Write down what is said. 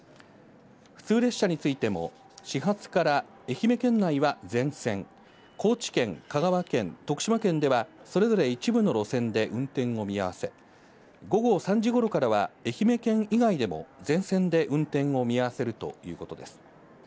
普通列車についても、始発から愛媛県内は全戦、高知県、香川県、徳島県ではそれぞれ一部の路線で運転を見合わせ、午後３時頃からは愛媛県以外でも全線で運転を見合わせるということです。